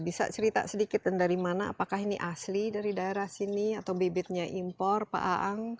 bisa cerita sedikit dan dari mana apakah ini asli dari daerah sini atau bibitnya impor pak aang